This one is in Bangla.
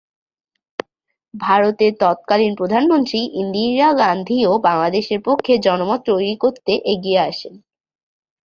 ভারতের তৎকালীন প্রধানমন্ত্রী ইন্দিরা গান্ধীও বাংলাদেশের পক্ষে জনমত তৈরি করতে এগিয়ে আসেন।